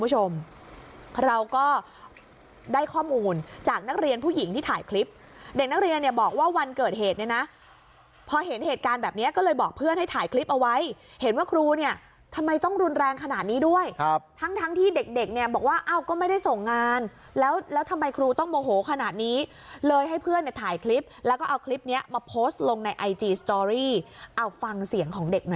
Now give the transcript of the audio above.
ให้ข้อมูลจากนักเรียนผู้หญิงที่ถ่ายคลิปเด็กนักเรียนเนี้ยบอกว่าวันเกิดเหตุเนี้ยนะพอเห็นเหตุการณ์แบบเนี้ยก็เลยบอกเพื่อนให้ถ่ายคลิปเอาไว้เห็นว่าครูเนี้ยทำไมต้องรุนแรงขนาดนี้ด้วยครับทั้งทั้งที่เด็กเด็กเนี้ยบอกว่าเอาก็ไม่ได้ส่งงานแล้วแล้วทำไมครูต้องโมโหขนาดนี้เลยให้เพื่อนเนี้ยถ่ายคล